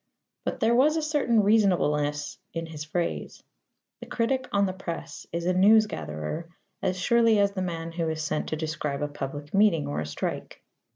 But there was a certain reasonableness in his phrase. The critic on the Press is a news gatherer as surely as the man who is sent to describe a public meeting or a strike.